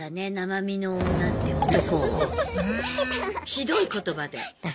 ひどい言葉で。